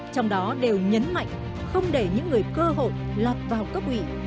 trong đó đều nhấn mạnh không để những người cơ hội lọt vào cấp ủy